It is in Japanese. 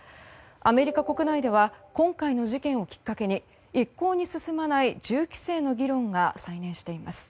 アメリカ国内では今回の事件をきっかけに一向に進まない銃規制の議論が再燃しています。